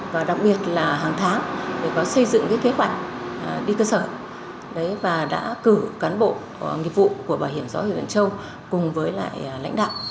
và đặc biệt là hàng tháng để có xây dựng kế hoạch đi cơ sở và đã cử cán bộ nghiệp vụ của bảo hiểm dõi huyện văn châu cùng với lại lãnh đạo